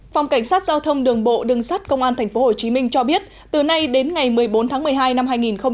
phòng cảnh sát giao thông đường bộ đường sát công an tp hcm cho biết từ nay đến ngày một mươi bốn tháng một mươi hai năm hai nghìn hai mươi